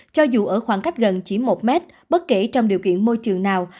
cho dù ở khoảng cách gần chỉ một mét bất kể trong điều kiện môi trường nào